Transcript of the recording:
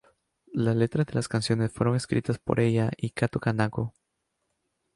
Las letras de las canciones fueron escritas por ella y Kato Kanako.